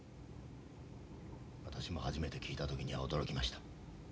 私も初めて聞いた時には驚きました。